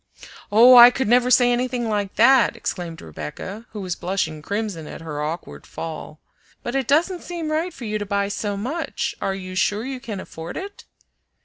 "Oh, I could never say anything like that!" exclaimed Rebecca, who was blushing crimson at her awkward fall. "But it doesn't seem right for you to buy so much. Are you sure you can afford it?"